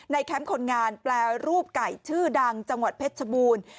แคมป์คนงานแปรรูปไก่ชื่อดังจังหวัดเพชรชบูรณ์